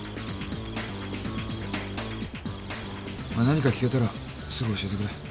何か聞けたらすぐ教えてくれ。